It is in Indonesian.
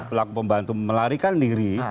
pelaku pembantu melarikan diri